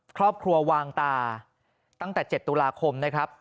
ครอบครัววางตาตั้งแต่๗ตุลาคมนะครับ